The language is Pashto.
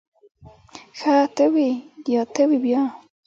ښه ته ووی بيا ته وی بيا.